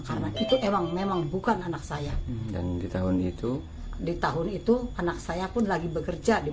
karena itu memang memang bukan anak saya dan di tahun itu di tahun itu anak saya pun lagi bekerja di